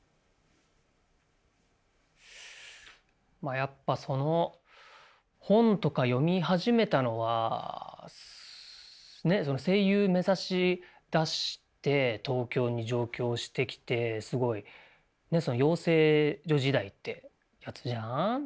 やっぱその本とか読み始めたのは声優目指しだして東京に上京してきてすごいその養成所時代ってやつじゃん。